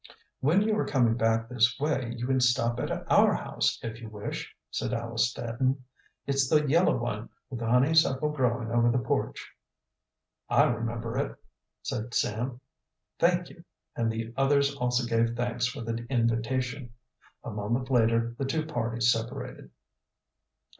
"When you are coming back this way you can stop at our house if you wish," said Alice Staton. "It's the yellow one with honeysuckle growing over the porch." "I remember it," said Sam. "Thank you," and the others also gave thanks for the invitation. A moment later the two parties separated.